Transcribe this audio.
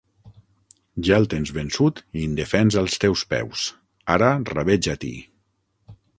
Ja el tens vençut i indefens als teus peus: ara rabeja-t'hi.